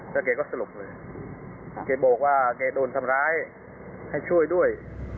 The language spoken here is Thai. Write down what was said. แล้วแกก็สลบเลยแกบอกว่าแกโดนทำร้ายให้ช่วยด้วย